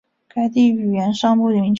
该地语源尚不明确。